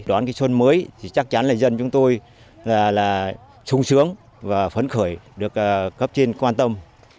đón cái xuân mới thì chắc chắn là dân chúng tôi là sung sướng và phấn khởi được cấp trên quan tâm